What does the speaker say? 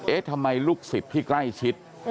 ทำไมลูกศิษย์ที่ใกล้ชิด